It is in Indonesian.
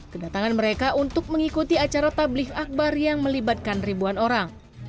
kedatangan mereka untuk mengikuti acara tablif akbar yang melibatkan ribuan orang